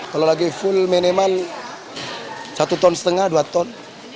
kalau lagi full minimal satu ton setengah dua ton